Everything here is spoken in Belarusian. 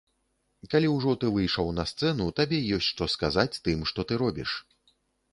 Калі ўжо ты выйшаў на сцэну, табе ёсць што сказаць тым, што ты робіш.